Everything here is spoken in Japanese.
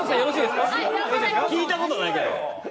聞いたことないけど。